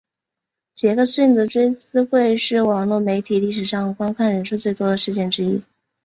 杰克逊的追思会是网路媒体历史上观看人数最多的事件之一。